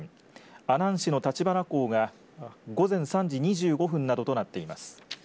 阿南市の橘港が午前３時２５分などとなっています。